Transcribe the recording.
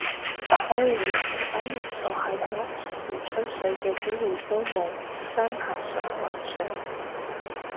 開會成班人坐喺度連水吹嘅機會都冇，真係純幻想